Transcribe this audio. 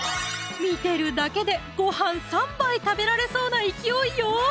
見てるだけでごはん３杯食べられそうな勢いよ